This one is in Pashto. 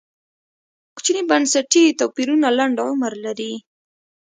کوچني بنسټي توپیرونه لنډ عمر لري.